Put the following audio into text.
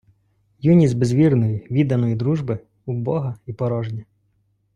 Юність без вірної, відданої дружби — убога і порожня.